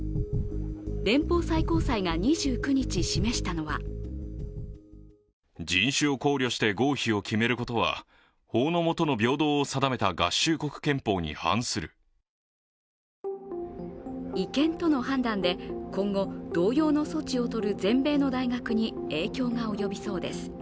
連邦最高裁が２９日、示したのは違憲との判断で今後同様の措置を取る全米の大学に影響が及びそうです。